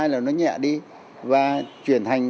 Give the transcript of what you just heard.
là nó nhẹ đi và chuyển thành